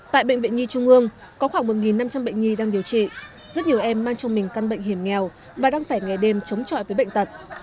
tại bệnh viện nhi trung ương có khoảng một năm trăm linh bệnh nhi đang điều trị rất nhiều em mang trong mình căn bệnh hiểm nghèo và đang phải ngày đêm chống trọi với bệnh tật